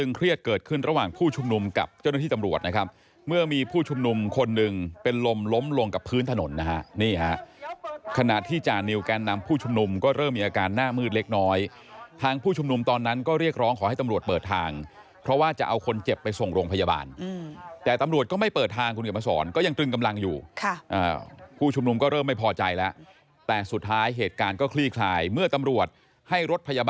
นี่ฮะขณะที่จานิวแกนนำผู้ชุมนุมก็เริ่มมีอาการหน้ามืดเล็กน้อยทางผู้ชุมนุมตอนนั้นก็เรียกร้องขอให้ตำรวจเปิดทางเพราะว่าจะเอาคนเจ็บไปส่งโรงพยาบาลแต่ตำรวจก็ไม่เปิดทางคุณเกี่ยวมาสอนก็ยังตึงกำลังอยู่ค่ะผู้ชุมนุมก็เริ่มไม่พอใจแล้วแต่สุดท้ายเหตุการณ์ก็คลี่คลายเมื่อตำรวจให้รถพย